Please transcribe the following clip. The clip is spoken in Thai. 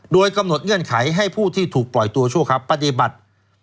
โดยกำหนดเงื่อนไขให้ผู้ที่ถูกปล่อยตัวชั่วคราวปฏิบัติ